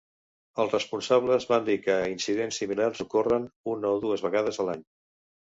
Els responsables van dir que incidents similars ocorren una o dues vegades a l'any.